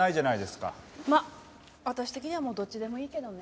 まあ私的にはもうどっちでもいいけどね。